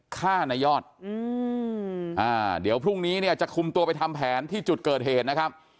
ฆ่านายยอดเดี๋ยวพรุ่งนี้เนี่ยจะคุมตัวไปทำแผนที่จุดเกิดเหตุนะครับ